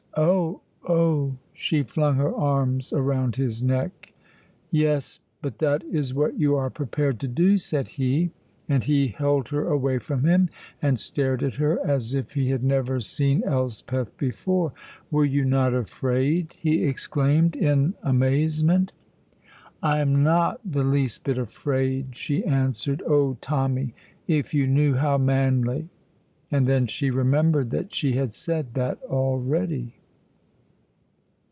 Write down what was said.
"Oh, oh!" She flung her arms around his neck. "Yes, but that is what you are prepared to do!" said he, and he held her away from him and stared at her, as if he had never seen Elspeth before. "Were you not afraid?" he exclaimed, in amazement. "I am not the least bit afraid," she answered. "Oh Tommy, if you knew how manly " And then she remembered that she had said that already.